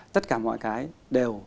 tất cả mọi cái đều